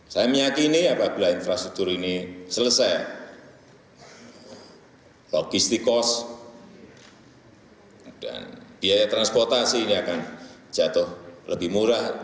saya meyakini apabila infrastruktur ini selesai logistik cost dan biaya transportasi ini akan jatuh lebih murah